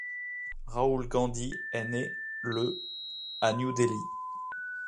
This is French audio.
Rahul Gandhi est né le à New Delhi.